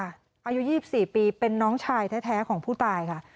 อายุ๒๔ปีเป็นน้องชายแท้ของผู้ตายค่ะ